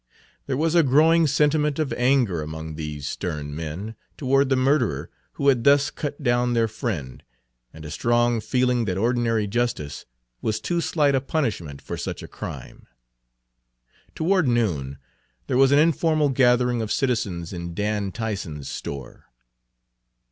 There was a growing sentiment of anger among these stern men, toward the murderer who Page 65 had thus cut down their friend, and a strong feeling that ordinary justice was too slight a punishment for such a crime. Toward noon there was an informal gathering of citizens in Dan Tyson's store.